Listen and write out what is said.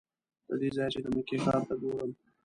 له دې ځایه چې د مکې ښار ته ګورم.